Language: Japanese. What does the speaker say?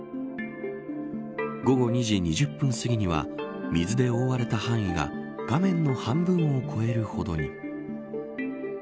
午後２時２０分すぎには水で覆われた範囲が画面の半分を越えるほどに。